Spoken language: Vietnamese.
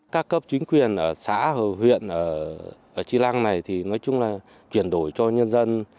các cấp chính quyền ở xã huyện tri lăng này thì nói chung là chuyển đổi cho nhân dân